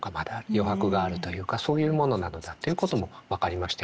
余白があるというかそういうものなのだということも分かりましたよね。